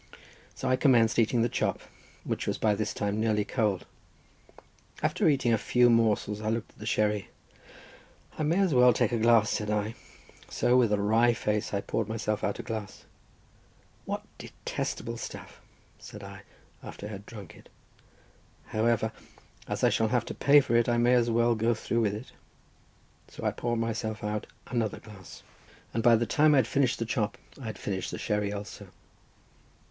So I commenced eating the chop, which was by this time nearly cold. After eating a few morsels I looked at the sherry; "I may as well take a glass," said I. So with a wry face I poured myself out a glass. "What detestable stuff!" said I, after I had drunk it. "However, as I shall have to pay for it I may as well go through with it." So I poured myself out another glass, and by the time I had finished the chop I had finished the sherry also.